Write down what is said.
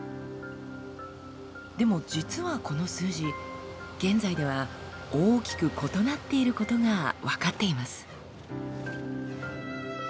でも実はこの数字現在では大きく異なっていることが分かっています。